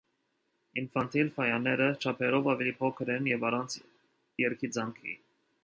Ինֆանտիլ ֆայանները չափերով ավելի փոքր են և առանց երգիծանքի։